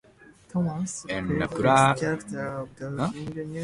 En la plataforma de escritorio están disponibles todas las características.